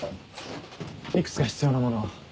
いくつか必要なものを。